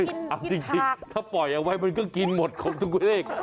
เอาจริงถ้าปล่อยเอาไว้มันก็กินหมดครบทุกเลข